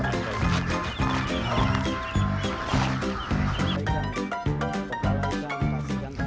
agar bebek selalu bertelur tidak cukupnya